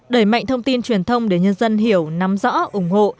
đẩy mạnh thông tin truyền thông để nhân dân hiểu nắm rõ ủng hộ